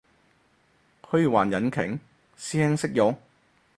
虛幻引擎？師兄識用？